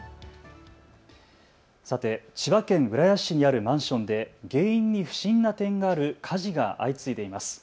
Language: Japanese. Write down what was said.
さて千葉県浦安市にあるマンションで原因に不審な点がある火事が相次いでいます。